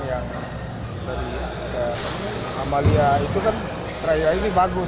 yang dari amalia itu kan terakhir ini bagus